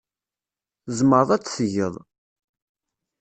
Tzemreḍ ad t-tgeḍ.